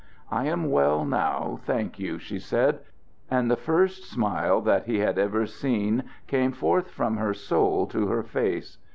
"I am well now, thank you," she said; and the first smile that he had ever seen came forth from her soul to her face.